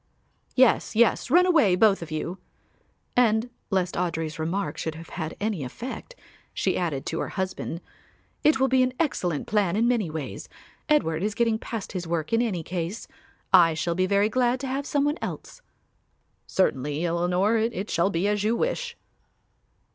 "Yes, yes, run away, both of you"; and, lest Audry's remark should have had any effect, she added, to her husband; "It will be an excellent plan in many ways. Edward is getting past his work in any case. I shall be very glad to have some one else." "Certainly, Eleanor, it shall be as you wish."